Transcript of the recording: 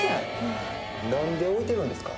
何で置いてるんですか？